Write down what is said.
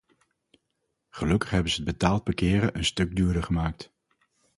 Gelukkig hebben ze het betaald parkeren een stuk duurder gemaakt.